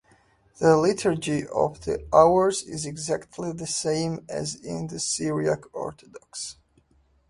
The Liturgy of the Hours is exactly the same as in the Syriac Orthodox.